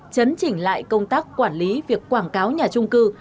chấn chỉnh lại công tác quản lý việc quảng cáo nhà trung cư